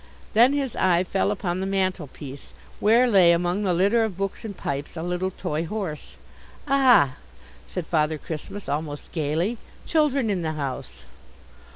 Then his eye fell upon the mantelpiece, where lay among the litter of books and pipes a little toy horse. "Ah," said Father Christmas almost gayly, "children in the house!"